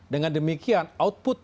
dengan demikian output